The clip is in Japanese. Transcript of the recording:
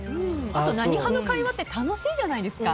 あと、何派？の会話って楽しいじゃないですか。